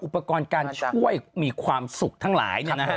อุปกรณ์การช่วยมีความสุขทั้งหลาย